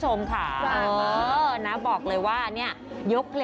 ชอบมากพอ